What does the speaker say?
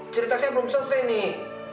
cerita saya belum selesai nih